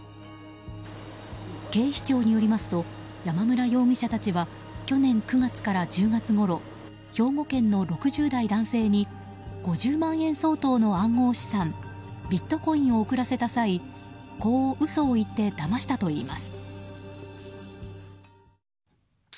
警視庁によりますと山村容疑者たちは去年９月から１０月ごろ兵庫県の６０代男性に５０万円相当の暗号資産ビットコインを送らせた際こう嘘を言ってだましたといいます。